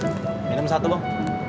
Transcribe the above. kayak gak punya temen lo